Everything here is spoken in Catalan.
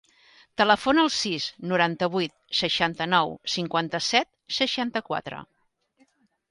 Telefona al sis, noranta-vuit, seixanta-nou, cinquanta-set, seixanta-quatre.